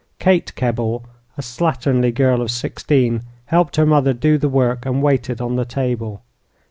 Kate Kebble, a slatternly girl of sixteen, helped her mother do the work and waited on the table.